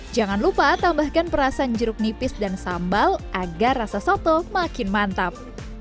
jangan lupa tambahkan perasan jeruk nipis dan sambal agar rasa soto makin mantap